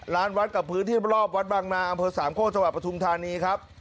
ร้านวัดกับพื้นที่รอบวัดบางนาอำเภอสามโคกจังหวัดปทุมธานีครับ